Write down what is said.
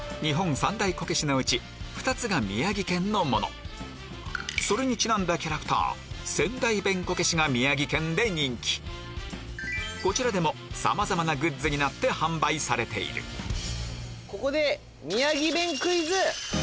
２つが宮城県のものそれにちなんだキャラクター仙台弁こけしが宮城県で人気こちらでもさまざまなグッズになって販売されているここで。